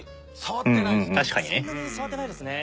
そんなに触ってないですね。